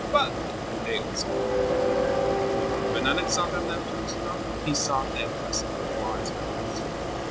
But they also fled. When Alexander left Jerusalem he sought the advice of the wise men of Israel.